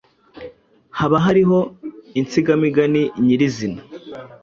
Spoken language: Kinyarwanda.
Haba Hariho insigamigani nyirizina